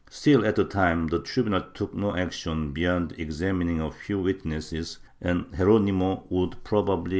Still, at the time, the tribmial took no action beyond examining a few witnesses, and Geronimo would probably Chap.